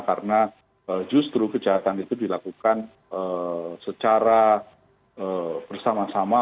karena justru kejahatan itu dilakukan secara bersama sama